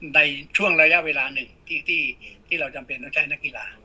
ในช่วงระยะเวลาหนึ่งที่เราจำเป็นต้องใช้นักกีฬา